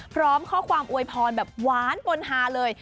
พร้อมข้อความอวยพรแบบหวานปนฮาเลย